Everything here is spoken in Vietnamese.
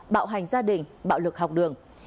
bạo hành gia đình bạo lực học đường